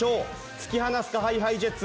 突き放すか？ＨｉＨｉＪｅｔｓ。